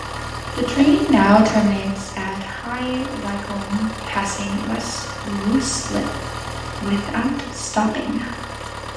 The train now terminates at High Wycombe, passing West Ruislip without stopping.